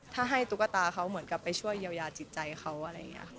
ถ้าให้ตุ๊กตาเขาเหมือนกับไปช่วยเยียวยาจิตใจเขาอะไรอย่างนี้